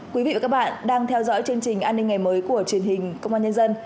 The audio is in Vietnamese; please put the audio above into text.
quý vị và các bạn đang theo dõi chương trình an ninh ngày mới của truyền hình công an nhân dân